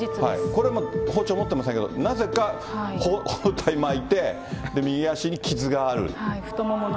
これも包丁持ってませんけど、なぜか包帯巻いて、右足に傷がある。